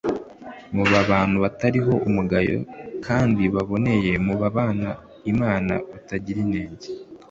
muba abantu batariho umugayo s kandi baboneye mube abana b imana batagira inenge